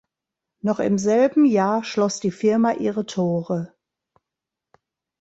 Noch im selben Jahr schloss die Firma ihre Tore.